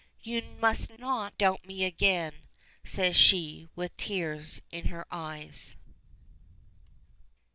You must not doubt me again!" says she with tears in her eyes.